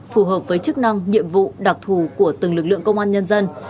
phù hợp với chức năng nhiệm vụ đặc thù của từng lực lượng công an nhân dân